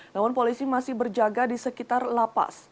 namun polisi masih berjaga di sekitar lapas